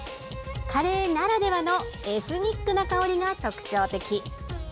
カレーならではのエスニックな香りが特徴的。